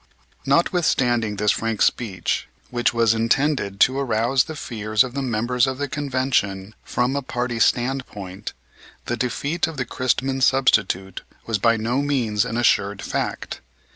Notwithstanding this frank speech, which was intended to arouse the fears of the members of the Convention from a party standpoint, the defeat of the Christman substitute was by no means an assured fact.